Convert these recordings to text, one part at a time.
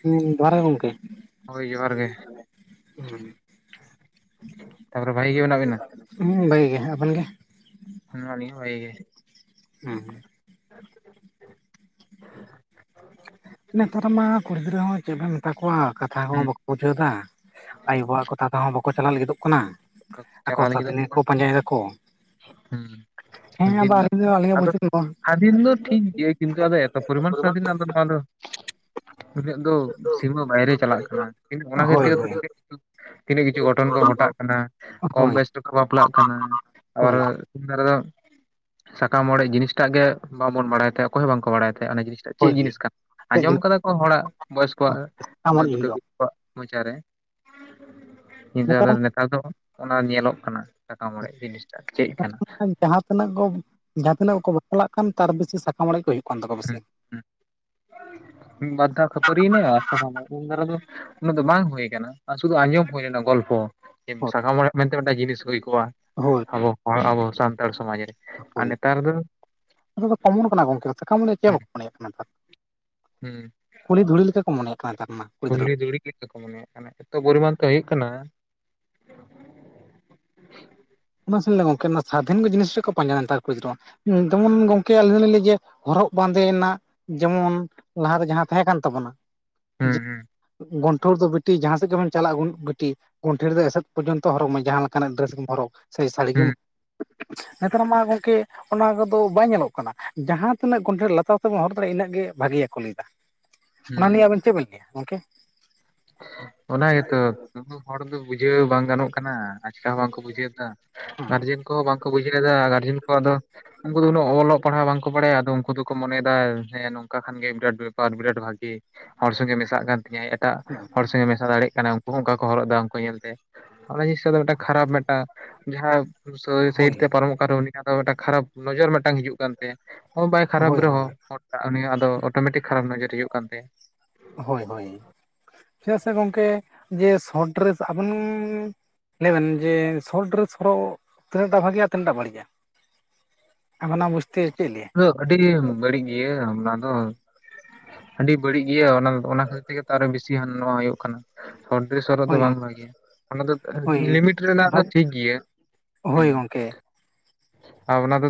ᱦᱮᱸ ᱡᱚᱦᱟᱨ ᱜᱚᱝᱠᱮ ᱦᱳᱭ ᱡᱚᱦᱟᱨ ᱜᱮ ᱦᱮᱸ ᱛᱟᱯᱚᱨ ᱮ ᱵᱷᱟᱹᱜᱤ ᱜᱮ ᱢᱮᱱᱟᱜ ᱵᱮᱱᱟ᱾ ᱦᱩᱸ ᱵᱷᱟᱹᱜᱤ ᱜᱮ ᱟᱵᱮᱱ ᱜᱮ ᱦᱮ ᱟᱞᱤᱧ ᱦᱚ ᱵᱷᱟᱜᱤ ᱜᱮ ᱦᱮᱸ ᱦᱮᱸ [inaudible] ᱱᱮᱛᱟᱨ ᱢᱟ ᱠᱩᱲᱤ ᱜᱤᱫᱽᱨᱟᱹ ᱦᱚᱸ ᱪᱮᱫ ᱵᱤᱱ ᱢᱮᱛᱟ ᱠᱚᱣᱟ ᱠᱟᱛᱷᱟ ᱠᱚ ᱦᱩᱸ ᱵᱟᱠᱚ ᱵᱩᱡᱷᱟᱹᱣ ᱮᱟ ᱟᱭᱳ ᱵᱟᱵᱟᱜ ᱠᱟᱛᱷᱟ ᱛᱮᱦᱚᱸ ᱵᱟᱠᱚ ᱪᱟᱞᱟᱜ ᱞᱟᱹᱜᱤᱫᱚᱜ ᱠᱟᱱᱟ᱾ ᱟᱠᱚ ᱪᱟᱞᱟᱣ ᱞᱟᱹᱜᱤᱫᱚᱜ ᱥᱟᱫᱤᱱᱤᱭᱟᱹ ᱠᱚ ᱠᱟᱱᱟ ᱯᱟᱸᱡᱟᱭ ᱫᱟᱠᱚ ᱦᱩᱸ ᱦᱮᱸ ᱫᱤᱱ ᱟᱫᱚ ᱨᱮᱱᱟᱜ ᱟᱞᱤᱧ ᱫᱚ ᱟᱞᱮᱭᱟᱜ ᱟᱫᱚ ᱵᱚᱪᱷ ᱵᱟᱝ ᱥᱟᱫᱷᱤᱱ ᱫᱚ ᱴᱷᱤᱠ ᱜᱮᱭᱟ ᱠᱤᱱᱛᱩ ᱟᱫᱚ ᱮᱛ ᱯᱚᱨᱤᱢᱟᱱ ᱥᱟᱫᱷᱤᱱ ᱟᱫᱚ ᱱᱚᱣᱟ ᱫᱚ ᱩᱱᱟᱹᱜ ᱫᱚ ᱥᱤᱢᱟᱹ ᱵᱟᱭᱨᱮ ᱪᱟᱞᱟᱜ ᱠᱟᱱᱟᱤᱱᱛᱩ ᱚᱱᱟ ᱦᱳᱭ ᱠᱷᱟᱹᱛᱤᱨ ᱦᱳᱭ ᱛᱤᱱᱟᱹᱜ ᱠᱤᱪᱷᱩ ᱜᱷᱚᱴᱚᱱ ᱠᱚ ᱜᱷᱚᱴᱟᱜ ᱠᱟᱱᱟ ᱠᱚᱢ ᱦᱳᱭ ᱵᱚᱭᱮᱥ ᱛᱮᱠᱚ ᱵᱟᱯᱞᱟᱜ ᱠᱟᱱᱟ ᱟᱵᱟᱨ ᱦᱳᱭ ᱫᱚ ᱥᱟᱠᱟᱢ ᱚᱲᱮᱡ ᱡᱤᱱᱤᱥᱴᱟᱜ ᱜᱮ ᱵᱟᱵᱚᱱ ᱵᱟᱲᱟᱭ ᱛᱟᱦᱮᱸ ᱚᱠᱚᱭ ᱦᱚᱸ ᱵᱟᱝᱠᱚ ᱵᱟᱲᱟᱭ ᱛᱟᱦᱮᱸ ᱚᱱᱟ ᱡᱤᱱᱤᱥ ᱪᱮᱫ ᱦᱳᱭ ᱡᱤᱱᱤᱥ ᱠᱟᱱᱟ ᱪᱮᱫ ᱜᱮ ᱟᱸᱡᱚᱢ ᱠᱟᱫᱟ ᱠᱚ ᱦᱚᱲᱟᱜ ᱵᱚᱭᱚᱥ ᱠᱚᱣᱟᱜ ᱥᱟᱠᱟᱢ ᱚᱲᱮᱡ ᱫᱩᱴᱟᱹ ᱦᱩᱭᱩᱜᱼᱟ ᱠᱚ ᱟᱜ ᱢᱚᱪᱟ ᱨᱮ ᱠᱤᱱᱛᱩ ᱟᱫᱚ ᱱᱮᱛᱟᱨ ᱫᱚ ᱚᱱᱟ ᱧᱮᱞᱚᱜ ᱠᱟᱱᱟ ᱥᱟᱠᱟᱢ ᱚᱲᱮᱡ ᱡᱤᱱᱤᱥᱴᱟᱜ ᱪᱮᱫ ᱠᱟᱱᱟ᱾ ᱢᱟ ᱡᱟᱦᱟᱸ ᱛᱤᱱᱟᱹᱜ ᱠᱚ ᱡᱟᱦᱟᱸ ᱛᱤᱱᱟᱹᱜ ᱠᱚ ᱵᱟᱯᱞᱟᱜ ᱠᱟᱱ ᱛᱟᱨ ᱵᱮᱥᱤ ᱥᱟᱠᱟᱢ ᱚᱲᱮᱡ ᱠᱚ ᱦᱩᱭᱩᱜ ᱠᱟᱱ ᱛᱟᱠᱚᱣᱟ ᱵᱮᱥᱤ ᱦᱩᱸ ᱦᱩᱸ ᱢᱤᱫ ᱵᱟᱨ ᱫᱷᱟᱣ ᱵᱮᱯᱟᱨᱤ ᱱᱟᱭ ᱥᱟᱠᱟᱢ ᱚᱲᱮᱡ ᱩᱱ ᱫᱟᱨᱟ ᱫᱚ ᱩᱱᱟᱹᱜ ᱫᱚ ᱵᱟᱝ ᱦᱩᱭ ᱟᱠᱟᱱᱟ ᱟᱨ ᱥᱩᱫᱷᱩ ᱟᱸᱡᱚᱢ ᱦᱩᱭ ᱞᱮᱱᱟ ᱜᱚᱞᱯᱚ ᱦᱳᱭ ᱥᱟᱠᱟᱢ ᱦᱚᱲᱟᱜ ᱢᱮᱱᱛᱮ ᱢᱤᱫᱴᱟᱝ ᱡᱤᱱᱤᱥ ᱦᱩᱭ ᱠᱚᱜᱼᱟ ᱟᱵᱚ ᱟᱵᱚ ᱥᱟᱱᱛᱟᱲ ᱥᱚᱢᱟᱡᱽ ᱨᱮ ᱟᱨ ᱚᱠᱚᱭ ᱱᱮᱛᱟᱨ ᱫᱚ ᱠᱚ ᱫᱚ ᱠᱚᱢᱚᱱ ᱠᱟᱱᱟ ᱜᱚᱝᱠᱮ ᱥᱟᱠᱟᱢ ᱢᱚᱱᱮ ᱪᱮᱫ ᱦᱩᱸ ᱵᱟᱠᱚ ᱢᱚᱱᱮᱫ ᱠᱟᱱ ᱛ ᱦᱩᱸ ᱠᱩᱞᱦᱤ ᱫᱷᱩᱲᱤ ᱞᱮᱠᱟ ᱠᱚ ᱢᱚᱱᱮᱫ ᱠᱟᱱᱟ ᱛᱟᱦᱮᱸᱱᱟ ᱠᱩᱞᱤ ᱫᱷᱩᱲᱤ ᱜᱮᱛᱚᱠᱚ ᱢᱚᱱᱮ ᱟᱜ ᱠᱟᱱᱟ ᱮᱛᱚ ᱯᱚᱨᱤᱢᱟᱱ ᱫᱚ ᱦᱩᱭᱩᱜ ᱠᱟᱱᱟ ᱚᱱᱟᱮ ᱜᱚᱝᱠᱮ ᱥᱟᱫᱷᱤᱱ ᱜᱮ ᱡᱤᱱᱤᱥ ᱨᱮ ᱠᱚ ᱯᱟᱸᱡᱟ ᱱᱮᱛᱟᱨ ᱠᱚᱲᱤ ᱜᱤᱫᱽᱨᱼᱟ ᱡᱮᱢᱚᱱ ᱜᱚᱝᱠᱮ ᱟᱹᱞᱤᱧ ᱫᱚᱞᱤᱧ ᱞᱟᱹᱭ ᱡᱮ ᱦᱚᱨᱚᱜ ᱵᱟᱸᱫᱮ ᱨᱮᱱᱟᱜ ᱡᱮᱢᱚᱱ ᱞᱟᱦᱟᱛᱮ ᱡᱟᱦᱟᱸ ᱛᱟᱦᱮᱸ ᱠᱟᱱ ᱛᱟᱵᱚᱱᱟ᱾ ᱦᱩᱸ ᱦᱩᱸ ᱜᱚᱱᱴᱷᱲ ᱫᱚ ᱵᱤᱴᱤ ᱡᱟᱦᱟᱸ ᱥᱮᱫ ᱜᱮᱵ ᱪᱟᱞᱟᱜᱼᱟ ᱜᱩᱰ ᱵᱤᱴᱤ ᱜᱚᱱᱴᱷᱮ ᱨᱮ ᱮᱥᱮᱫ ᱯᱚᱨᱡᱚᱱᱛᱚ ᱦᱚᱨᱚᱜ ᱢᱮ ᱡᱟᱦᱟᱸ ᱞᱮᱠᱟᱱᱟᱜ ᱰᱨᱮᱥ ᱜᱮᱢ ᱦᱚᱨᱚᱜ᱾ ᱥᱮ ᱥᱟᱹᱲᱤ ᱜᱮ ᱦᱩᱸ ᱱᱮᱛᱟᱨ ᱢᱟ ᱜᱚᱝᱠᱮ ᱚᱱᱟ ᱠᱚᱫᱚ ᱵᱟᱭ ᱧᱮᱞᱚᱜ ᱠᱟᱱᱟ ᱡᱟᱦᱟᱸ ᱛᱤᱱᱟᱹᱜ ᱜᱚᱱᱴᱷᱮ ᱞᱟᱛᱟᱨ ᱛᱮᱵᱚᱱ ᱦᱚᱨ ᱫᱟᱲᱮᱭᱟᱜᱼᱟ ᱤᱱᱟᱹᱜ ᱜᱮ ᱵᱷᱟᱹᱜᱮᱭᱟ ᱠᱚ ᱞᱟᱹᱭ ᱫᱟ ᱾ ᱚᱱᱟ ᱱᱤᱭᱮ ᱦᱩᱸ ᱟᱵᱤᱱ ᱪᱮᱫ ᱵᱤᱱ ᱞᱟᱹᱭᱟ ᱜᱚᱝᱠᱮ ᱚ ᱜᱮᱛᱚ ᱩᱫᱩ ᱦᱚᱲ ᱫᱚ ᱵᱩᱡᱷᱟᱹᱣ ᱵᱟᱝ ᱜᱟᱱᱚᱜ ᱠᱟᱱᱟ ᱟᱪᱠᱟ ᱦᱚᱸ ᱵᱟᱝ ᱠᱚ ᱵᱩᱡᱷᱟᱹᱣ ᱫᱟ᱾ ᱦᱮᱸ ᱜᱟᱨᱡᱮᱱ ᱠᱚᱦᱚᱸ ᱵᱟᱝᱠᱚ ᱵᱩᱡᱷᱟᱹᱣ ᱞᱮᱫᱟ ᱜᱟᱨᱡᱮᱱ ᱠᱚ ᱟᱫᱚ ᱩᱱᱠᱩ ᱫᱚ ᱩᱱᱟᱹᱜ ᱚᱞᱚᱜ ᱯᱟᱲᱦᱟᱜ ᱵᱟᱝᱠᱚ ᱵᱟᱲᱟᱭᱟ ᱟᱫᱚ ᱩᱱᱠᱩ ᱫᱚᱠᱚ ᱢᱚᱱᱮᱭᱮᱫᱟ ᱦᱮᱸ ᱱᱚᱝᱠᱟ ᱠᱷᱟᱱ ᱜᱮ ᱵᱤᱨᱟᱴ ᱵᱮᱯᱟᱨ ᱵᱤᱨᱟᱴ ᱵᱷᱟᱜᱤ ᱦᱚᱲ ᱥᱚᱸᱜᱮ ᱢᱮᱥᱟᱜ ᱠᱟᱱ ᱛᱤᱧᱟᱹ ᱮᱴᱟᱜ [inaudible] ᱥᱮ ᱢᱮᱥᱟ ᱫᱟᱲᱮᱭᱟᱜ ᱠᱟᱱᱟ ᱩᱱᱠᱩ ᱦᱚᱸ ᱚᱱᱠᱟ ᱠᱚ ᱦᱚᱨᱚᱜ ᱮ ᱩᱱᱠᱩ ᱧᱮᱞᱛᱮ ᱚᱱᱟ ᱡᱤᱱᱤᱥ ᱫᱚ ᱠᱷᱟᱨᱟᱯ ᱢᱤᱫᱴᱟᱝ ᱡᱟᱦᱟᱸ ᱦᱳᱭ ᱥᱟᱭᱤᱰ ᱛᱮ ᱯᱟᱨᱚᱢᱚᱜ ᱠᱟᱱ ᱨᱮᱦᱚᱸ ᱩᱱᱤ ᱫᱚ ᱢᱤᱫᱴᱟᱝ ᱠᱷᱟᱨᱟᱯ ᱱᱚᱡᱚᱨ ᱢᱤᱫᱴᱟᱝ ᱦᱤᱡᱩᱜ ᱠᱟᱱ ᱛᱟᱭᱟ᱾ ᱚ ᱵᱟᱭ ᱠᱷᱟᱨᱟᱯ ᱦᱳᱭ ᱦᱳᱭ ᱨᱮᱦᱚᱸ ᱟᱫᱚ ᱚᱴᱳᱢᱮᱴᱤᱠ ᱠᱷᱟᱨᱟᱯ ᱱᱚᱡᱚᱨ ᱦᱩᱭᱩᱜ ᱠᱟᱱ ᱛᱟᱭᱟ᱾ ᱦᱳᱭ ᱦᱳᱭ ᱪᱮᱫᱟᱜ ᱥᱮ ᱜᱚᱝᱠᱮ ᱡᱮ ᱥᱚᱴ ᱰᱨᱮᱥ ᱟᱵᱮᱱ ᱞᱟᱹᱭ ᱵᱤᱱ ᱡᱮ ᱥᱚᱴ ᱰᱮᱨᱮᱥ ᱦᱚᱨᱚᱜ ᱛᱤᱱᱟᱜᱴᱟᱜ ᱵᱷᱟᱜᱮᱼᱟ ᱛᱤᱱᱟᱹᱜᱴᱟᱜ ᱵᱟᱹᱲᱤᱡᱼᱟ᱾ ᱟᱵᱤᱱ ᱟᱜ ᱵᱩᱡ ᱪᱷ ᱪᱮᱫ ᱞᱭᱟ [unintelligible] ᱟᱫᱚ ᱟᱹᱰᱤ ᱟᱹᱰᱤ ᱜᱮ ᱫᱚ᱾ ᱟᱰᱤ ᱵᱟᱹᱲᱤᱡ ᱜᱮᱭᱟ ᱚᱱᱟ ᱚᱱᱟ ᱠᱷᱟᱹᱤᱨᱜᱮ ᱛᱚ ᱵᱤᱥᱤ ᱦᱟᱱ ᱱᱚᱣᱟ ᱦᱩᱭᱩᱜ ᱠᱟᱱᱟ ᱰᱮᱥᱚᱨᱚᱜ ᱫᱚ ᱦᱳᱭ ᱵᱟᱝ ᱵᱷᱟᱜᱮᱭᱟ ᱚᱱᱟ ᱫᱚ ᱦᱳᱭ ᱞᱤᱢᱤᱴ ᱨᱮᱱᱟᱜ ᱫᱚ ᱵᱷᱟᱜ ᱴᱷᱤᱠ ᱜᱮᱭᱟ᱾ ᱦᱩᱸ ᱦᱳᱭ ᱜᱚᱝᱠᱮ ᱟᱨ ᱚᱱᱟ ᱫᱚ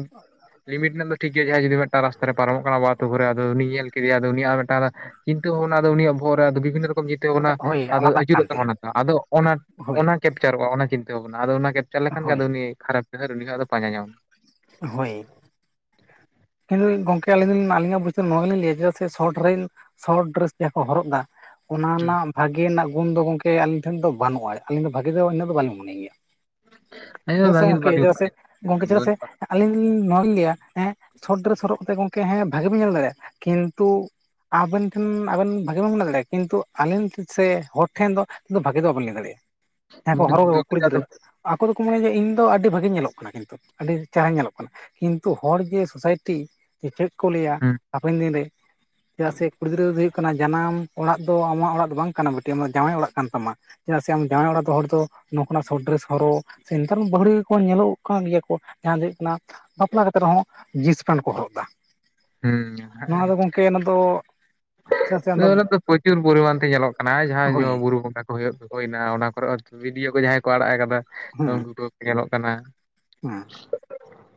ᱞᱤᱢᱤᱴ ᱨᱮᱱᱟᱜ ᱫᱚ ᱴᱷᱤᱠ ᱜᱮᱭᱟ ᱡᱩᱫᱤ ᱢᱤᱫᱴᱟᱝ ᱴᱷᱤᱠᱜᱮᱭᱟᱭ ᱡᱟᱦᱟᱸᱭ ᱡᱩᱫᱤ ᱢᱤᱫᱴᱟᱝ ᱨᱟᱥᱛᱟ ᱨᱮ ᱯᱟᱨᱚᱢᱚᱜ ᱠᱟᱱᱟ ᱵᱟ ᱟᱛᱳ ᱠᱚᱨᱮ ᱟᱫᱚ ᱩᱱᱤᱤᱭ ᱧᱮᱞ ᱠᱮᱫᱮᱭᱟᱫᱚ ᱩᱱᱤᱭᱟᱜ ᱢᱤᱫᱴᱟᱝ ᱠᱤᱱᱛᱩ ᱚᱱᱟ ᱫᱚ ᱩᱱᱤᱭᱟᱜ ᱵᱚᱦᱚᱜ ᱨᱮ ᱵᱤᱵᱷᱤᱱᱱᱚ ᱨᱚᱠᱚᱢ ᱡᱤᱛᱟᱹᱣ ᱵᱚᱱᱟ ᱦᱳᱭ ᱟᱫᱚ ᱟᱞᱟᱫᱟᱜ ᱠᱟᱱ ᱟᱹᱪᱩᱨᱚᱜ ᱛᱟᱭᱟ ᱛᱵᱱᱟᱛᱚ ᱟᱫᱚ ᱚᱱᱟ ᱦᱳᱭ ᱚᱱᱟ ᱠᱮᱯᱪᱟᱨᱚᱜᱼᱟ ᱚᱱᱟ ᱪᱤᱱᱛᱟᱹ ᱵᱷᱟᱵᱚᱱᱟ ᱟᱫᱚ ᱚᱱᱟ ᱜᱮ᱾ ᱪᱟᱞᱟᱜ ᱞᱮᱠᱷᱟᱱ ᱜᱮ ᱦᱳᱭ ᱟᱫᱚ ᱩᱱᱤ ᱠᱷᱟᱨᱟᱯ ᱰᱷᱟᱹᱨ ᱩᱱᱤ ᱠᱷᱟᱜ ᱫᱚ ᱯᱟᱡᱟ ᱧᱟᱢ ᱟᱢᱟ ᱦᱚᱭᱮ᱾ ᱦᱮᱞᱮᱠᱤᱱ ᱜᱚᱝᱠᱮ ᱟᱹᱞᱤᱧᱞᱤᱧᱟᱜ ᱵᱩᱡ ᱱᱚᱣᱟ ᱜᱮᱞᱤᱧᱞᱟᱹᱭᱮᱫᱟ ᱥᱮ ᱥᱚᱴᱰᱨᱟᱭᱤᱯ ᱥᱚᱨᱚᱴ ᱰᱨᱮᱥ ᱛᱮᱠᱚ ᱦᱚᱨᱚᱜ ᱮᱫᱟ ᱚᱱᱟ ᱦᱩᱸ ᱨᱮᱱᱟᱜ ᱵᱷᱟᱜᱮ ᱨᱮᱱᱟᱜ ᱜᱩᱱ ᱫᱚ ᱜᱚᱝᱠᱮ ᱟᱞᱤᱧ ᱴᱷᱮᱱ ᱫᱚ ᱵᱟᱱᱩᱜᱼᱟ ᱟᱞᱤᱧ ᱫᱚ ᱵᱷᱟᱜᱤ ᱫᱚ ᱤᱱᱟᱹᱜ ᱫᱚ ᱵᱟᱞᱤᱧ ᱢᱚᱱᱮ ᱮᱭᱟ᱾ ᱟᱹᱞᱤᱧ ᱫᱚ ᱪᱮᱫᱟᱜ ᱥᱮ ᱵᱷᱟᱜᱮ ᱫᱚ ᱜᱚᱢᱠᱮ ᱵᱟᱹᱞᱤᱧ ᱪᱮᱫᱟᱜ ᱥᱮ ᱜᱚᱢᱠᱮ ᱪᱮᱫᱟᱜ ᱥᱮ ᱢᱚᱱᱮᱭᱟ ᱟᱹᱞᱤᱧ ᱞᱤᱧ ᱱᱚᱣᱟ ᱞᱤᱧ ᱞᱟᱹᱭᱟ ᱦᱮᱸ ᱥᱚᱨᱚᱴ ᱰᱨᱮᱮᱥ ᱦᱚᱨᱚᱜ ᱠᱟᱛᱮᱫ ᱜᱚᱝᱠᱮ ᱦᱮᱸ ᱵᱷᱟᱜᱤ ᱵᱚᱱ ᱧᱮᱞ ᱫᱟᱲᱮᱭᱟᱜᱼᱟ ᱠᱤᱱᱛᱩ᱾ ᱟᱵᱮᱱ ᱴᱷᱮᱱ ᱟᱵᱮᱱ ᱵᱷᱟᱜᱤᱵᱮᱱ ᱢᱚᱱᱮ ᱫᱟᱲᱮᱭᱟᱜᱼᱟ ᱠᱤᱱᱛᱩ ᱟᱞᱤᱧ ᱥᱮ ᱦᱚᱲ ᱴᱷᱮᱱ ᱫᱚ ᱵᱷᱟᱜᱤ ᱫᱚ ᱵᱟᱵᱮᱱ ᱞᱟᱹᱭ ᱫᱟᱲᱮᱭᱟᱜᱼᱟ᱾ ᱦᱮᱸ ᱠᱚ ᱦᱚᱨᱚᱜ ᱫᱚ ᱠᱩᱲᱤ ᱜᱤᱫᱽᱨᱟᱹ ᱟᱠᱚ ᱫᱚᱠᱚ ᱢᱚᱱᱮᱭᱟ ᱡᱮ ᱤᱧ ᱫᱚ ᱟᱰᱤ ᱵᱷᱟᱜᱤᱧ ᱧᱮᱞᱚᱜ ᱠᱟᱱᱟ ᱠᱤᱱᱛᱩ ᱟᱰᱤ ᱪᱮᱦᱨᱟ ᱧᱮᱞᱚᱜ ᱠᱟᱱᱟ ᱠᱤᱱᱛᱩ ᱦᱚᱲ ᱡᱮ ᱥᱳᱥᱟᱭᱴᱤ ᱡᱮᱪᱮᱫ ᱠᱚ ᱞᱟᱹᱭᱟ ᱦᱩᱸ ᱦᱟᱯᱮᱱ ᱫᱤᱱᱨᱮ ᱪᱮᱫᱟᱜ ᱥᱮ ᱠᱩᱲᱤ ᱜᱤᱫᱽᱨᱟᱹ ᱫᱚ ᱦᱩᱭᱩᱜ ᱠᱟᱱᱟ ᱡᱟᱱᱟᱢ ᱚᱲᱟᱜ ᱫᱚ ᱟᱢᱟᱜ ᱚᱲᱟᱜ ᱫᱚ ᱵᱟᱝ ᱠᱟᱱᱟ ᱵᱤᱴᱤ ᱟᱢ ᱫᱚ ᱡᱟᱶᱟᱭ ᱚᱲᱟᱜ ᱠᱟᱱ ᱛᱟᱢᱟ᱾ ᱪᱮᱫᱟᱜ ᱥᱮ ᱟᱢ ᱡᱟᱶᱟᱭ ᱚᱲᱟᱜ ᱫᱚ ᱦᱚᱲ ᱫᱚ ᱱᱚᱝᱠᱟᱱᱟᱜ ᱥᱚᱴᱰᱨᱮᱥ ᱦᱚᱨᱚᱜ ᱥᱮ ᱱᱮᱛᱟᱨ ᱵᱟᱦᱩᱲᱤᱭᱟᱹ ᱠᱚ ᱧᱮᱞᱚᱜ ᱠᱟᱱ ᱜᱮᱭᱟ ᱠᱚ ᱡᱟᱦᱟᱸ ᱫᱚ ᱦᱩᱭᱩᱜ ᱠᱟᱱᱟ ᱵᱟᱯᱞᱟ ᱠᱟᱛᱮ ᱨᱮᱦᱚᱸ ᱡᱤᱱᱥ ᱯᱮᱱ ᱠᱚ ᱦᱚᱨᱚᱜ ᱮᱫᱟ᱾ ᱦᱩᱸᱧᱟᱦᱟ ᱮ ᱟᱫᱚ ᱜᱚᱝᱠᱮ ᱚᱱᱟ ᱫᱚ ᱪᱮᱫᱟᱜ ᱥᱮ ᱟᱢᱫᱚ ᱫᱚ ᱯᱨᱚᱪᱩᱨ ᱯᱚᱨᱤᱢᱟᱱ ᱛᱮ ᱧᱮᱞᱚᱜ ᱠᱟᱱᱟ ᱡᱟᱦᱟᱸᱭ ᱫᱚ ᱦᱳᱭ ᱵᱩᱨᱩ ᱵᱚᱸᱜᱟ᱾ ᱦᱩᱭᱩᱜ ᱛᱟᱠᱚᱮᱱᱟ ᱚᱱᱟ ᱠᱚᱨᱮ ᱦᱚᱸ ᱵᱷᱤᱰᱤᱭᱳ ᱠᱚ ᱡᱟᱦᱟᱸᱭ ᱠᱚ ᱟᱲᱟᱜ ᱟᱠᱟᱫᱟ ᱦᱮᱸ ᱩᱱᱠᱩ ᱠᱚ ᱧᱮᱞᱚᱜ ᱠᱟᱱᱟ᱾ ᱦᱮᱸ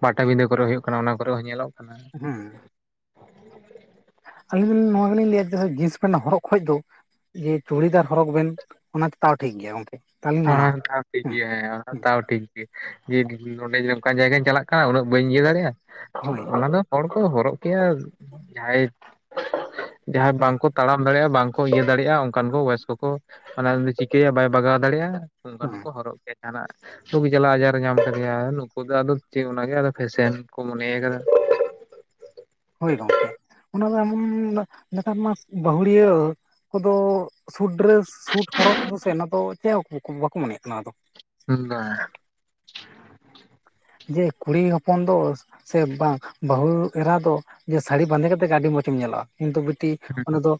ᱯᱟᱴᱟᱵᱤᱸᱫᱟᱹ ᱠᱚᱨᱮ ᱦᱩᱭᱩᱜ ᱠᱟᱱᱟ ᱚᱱᱟ ᱠᱚᱨᱮ ᱦᱚᱸ ᱧᱮᱞᱚᱜ ᱠᱟᱱᱟ᱾ ᱦᱩᱸ ᱦ ᱟᱞᱤᱧ ᱫᱚ ᱱᱚᱣᱟ ᱜᱮᱞᱤᱧ ᱞᱟᱹᱭᱟ ᱡᱮ ᱡᱤᱱᱥ ᱯᱮᱱ ᱦᱚᱨᱚᱜ ᱠᱷᱚᱡᱽ ᱫᱚ᱾ ᱡᱮ ᱪᱩᱲᱤᱫᱟᱨ ᱦᱚᱨᱚᱜ ᱵᱮᱱ ᱚᱱᱟ ᱫᱚ ᱛᱟᱣ ᱴᱷᱤᱠ ᱜᱮᱭᱟ ᱜᱚᱝᱠᱮ᱾ ᱛᱟᱣᱞᱤᱧ ᱢᱟᱱᱟᱣᱟ ᱦᱮᱸ ᱛᱟᱣ ᱴᱷᱤᱠ ᱜᱮᱭᱟ ᱦᱮᱸ ᱛᱟᱣ ᱴᱷᱤᱠ ᱜᱮᱭᱟ ᱡᱮ ᱱᱚᱸᱰᱮ ᱡᱮᱱ᱾ ᱯᱟᱡᱟ ᱠᱤᱱ ᱪᱟᱞᱟᱜ ᱠᱟᱱᱟ ᱩᱱᱟᱹᱜ ᱵᱟᱹᱧ ᱤᱭᱟᱹ ᱫᱟᱲᱮᱭᱟᱜᱼᱟ ᱦᱳᱭ ᱚᱱᱟ ᱫᱚ ᱦᱚᱲ ᱠᱚ ᱦᱚᱨᱚᱜ ᱠᱮᱭᱟ ᱡᱟᱦᱟᱸᱭ ᱡᱟᱦᱟᱸᱭ ᱦᱳᱭ ᱵᱟᱝᱠᱚ᱾ ᱛᱟᱲᱟᱢ ᱫᱟᱲᱮᱭᱟᱜᱼᱟ ᱵᱟᱝᱠᱚ ᱤᱭᱟᱹ ᱫᱟᱲᱮᱭᱟᱜᱼᱟ ᱚᱱᱠᱟᱱ ᱠᱚ ᱵᱚᱭᱮᱥ ᱠᱚᱠᱚ ᱢᱟᱱᱮ ᱪᱤᱠᱟᱹᱭᱟᱭ ᱵᱟᱭ ᱵᱟᱜᱟᱣ ᱫᱟᱲᱮᱭᱟᱜᱼᱟ ᱦᱮᱸ ᱚᱱᱠᱟᱱ ᱠᱚ ᱦᱚᱨᱚᱜ ᱠᱮᱛᱟᱱᱟᱜ᱾ ᱨᱩᱜᱤ ᱡᱟᱞᱟ ᱟᱡᱟᱨ ᱮ ᱧᱟᱢ ᱟᱠᱟᱫᱮᱭᱟ ᱱᱩᱠᱩ ᱫᱚᱟᱫᱚ ᱪᱮᱫ ᱚᱱᱟᱜᱮ ᱟᱫᱚ ᱯᱷᱮᱥᱮᱱ ᱠᱚ ᱢᱚᱱᱮᱭ ᱟᱠᱟᱫᱟ ᱦᱳᱭ ᱜᱚᱝᱠᱮ ᱚᱱᱟ ᱫᱚ ᱮᱢᱚᱱᱢᱟ ᱱᱮᱛᱟᱨ ᱢᱟ ᱵᱟᱹᱦᱩᱲᱤᱭᱟᱹ ᱠᱚᱫᱚ ᱥᱩᱴ ᱰᱨᱮᱥ ᱥᱩᱴ ᱦᱚᱨᱚᱜ ᱫᱚ ᱥᱮ ᱚᱱᱟ ᱫᱚ ᱪᱮᱫ ᱦᱚᱸ ᱵᱟᱠᱚ ᱢᱚᱱᱮᱭᱮᱫ ᱠᱟᱱᱟ ᱚᱱᱟ ᱫᱚ᱾ ᱦᱮᱸᱫᱮ ᱡᱮ ᱠᱩᱲᱤ ᱦᱚᱯᱚᱱ ᱫᱚ᱾ ᱥᱮ ᱵᱟᱝ ᱵᱟᱦᱩ ᱮᱨᱟ ᱫᱚ ᱡᱮ ᱥᱟᱲᱤ ᱵᱟᱸᱫᱮ ᱠᱟᱛᱮ ᱜᱮ ᱟᱰᱤ ᱢᱚᱸᱡᱮᱢ ᱧᱮᱞᱚᱜᱼᱟ ᱠᱤᱱᱛᱩ ᱵᱤᱴᱤ᱾ ᱦᱩᱸ ᱚᱸᱰᱮ ᱫᱚ